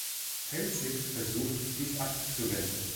Pelzig versucht, dies abzuwenden.